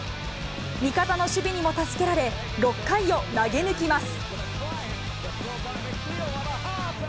味方の守備にも助けられ、６回を投げ抜きます。